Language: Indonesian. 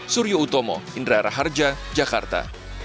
suryo utomo indra raharja jakarta